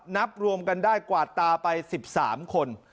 นับรวมกันได้กวาดตาไป๑๓คน